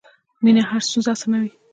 مینه هره ستونزه اسانوي.